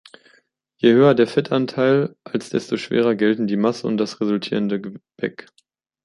Je höher der Fettanteil, als desto „schwerer“ gelten die Masse und das resultierende Gebäck.